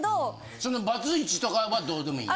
そのバツイチとかはどうでもいいんや。